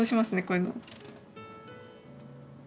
こういうの。